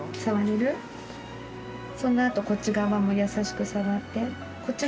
そのあとこっち側も優しく触って。